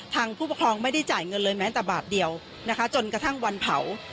ผู้ปกครองไม่ได้จ่ายเงินเลยแม้แต่บาทเดียวนะคะจนกระทั่งวันเผา